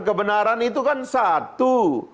kebenaran itu kan satu